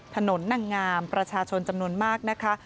นางงามประชาชนจำนวนมากนะคะ